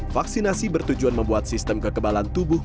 vaksinasi bertujuan membuat sistem kekebalan tubuh